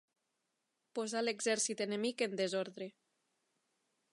Posar l'exèrcit enemic en desordre.